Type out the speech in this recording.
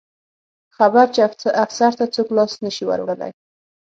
خبر چې افسر ته څوک لاس نه شي وروړلی.